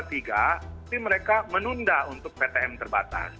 tapi mereka menunda untuk ptm terbatas